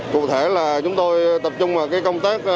cụ thể là chúng tôi tập trung vào công tác